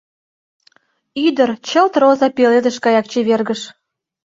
Ӱдыр чылт роза пеледыш гаяк чевергыш.